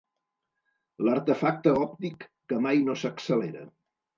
L'artefacte òptic que mai no s'accelera.